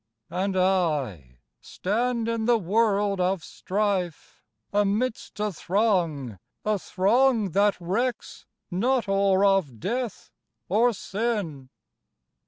And I, Stand in the world of strife, amidst a throng, A throng that recks not or of death, or sin!